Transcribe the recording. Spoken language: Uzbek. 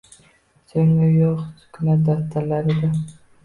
So’nggi yo’q sukunat daftarlarida